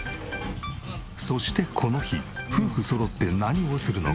そしてこの日夫婦そろって何をするのか？